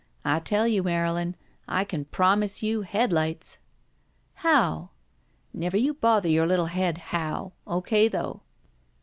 "I tell you, Marylin, I can promise you headUghts!" "How?" "Never jrou bother your Uttle head how; O. K., though."